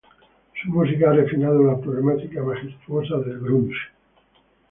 Su música ha refinado la problemática majestuosidad del grunge".